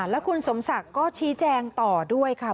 แล้วคุณสมศักดิ์ก็ชี้แจงต่อด้วยค่ะ